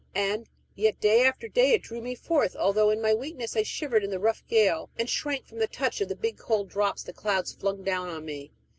And yet day after day it drew me forth, although in my weakness I shivered in the rough gale, and shrank from the touch of the big cold drops the clouds flung down on me.